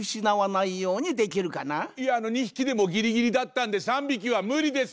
いや２ひきでもギリギリだったんで３びきはむりです！